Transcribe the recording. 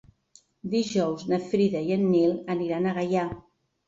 Dijous na Frida i en Nil aniran a Gaià.